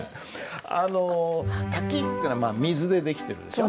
あの「滝」っていうのは水でできてるでしょ。